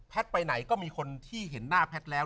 ไปไหนก็มีคนที่เห็นหน้าแพทย์แล้ว